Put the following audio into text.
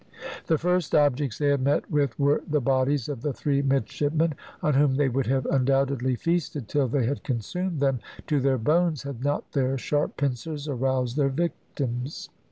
The first objects they had met with were the bodies of the three midshipmen, on whom they would have undoubtedly feasted till they had consumed them to their bones, had not their sharp pincers aroused their victims.